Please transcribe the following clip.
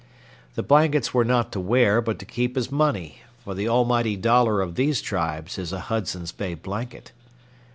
The blankets were not to wear, but to keep as money, for the almighty dollar of these tribes is a Hudson's Bay blanket.